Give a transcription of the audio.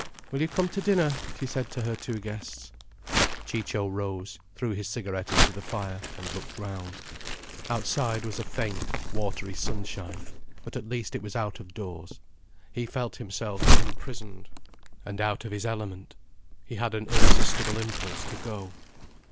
"Will you come to dinner?" she said to her two guests. Ciccio rose, threw his cigarette into the fire, and looked round. Outside was a faint, watery sunshine: but at least it was out of doors. He felt himself imprisoned and out of his element. He had an irresistible impulse to go.